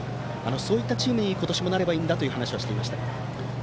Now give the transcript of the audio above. そういったチームに今年もなればいいんだという話をしていました。